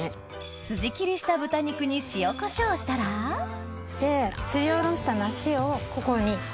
スジ切りした豚肉に塩胡椒したらすりおろした梨をここに。